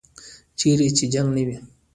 چیرې چې جنګ نه وي.